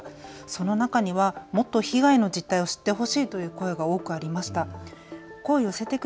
その中にはもっと被害の実態を知ってほしいという声が多くありました。